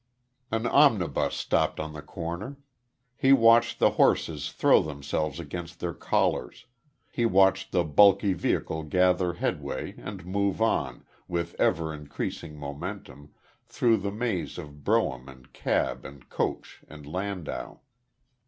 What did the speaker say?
An omnibus stopped on the corner. He watched the horses throw themselves against their collars; he watched the bulky vehicle gather headway, and move on, with ever increasing momentum, through the maze of brougham and cab and coach and landau.